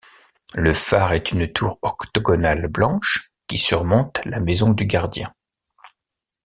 Le phare est une tour octogonale blanche, qui surmonte la maison du gardien.